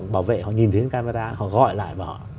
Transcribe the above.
bảo vệ họ nhìn thấy camera họ gọi lại